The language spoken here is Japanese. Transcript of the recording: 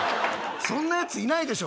そんなやついないでしょ